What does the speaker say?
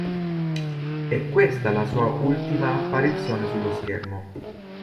È questa la sua ultima apparizione sullo schermo.